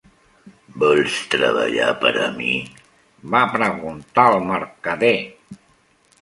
"Vols treballar per a mi?" va preguntar el mercader.